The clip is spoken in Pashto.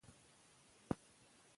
د کلتوري غرور ساتل د ښوونکي دنده ده.